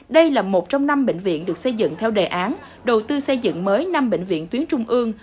đây là một trong năm bệnh viện được xây dựng theo đề án đầu tư xây dựng mới năm bệnh viện tuyến trung ương